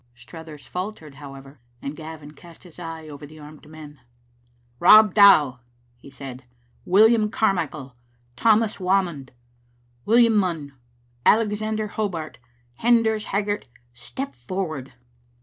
Struthers faltered, however, and Gavin cast his eye over the armed men. "Rob Dow," he said, "William Carmichael, Thomas Whamond, William Munn, Alexander Hobart, Renders Haggart, step forward."